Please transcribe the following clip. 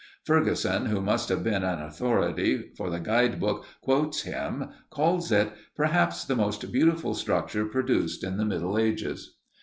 Fergusson, who must have been an authority, for the guide book quotes him, calls it, "perhaps the most beautiful structure produced in the Middle Ages."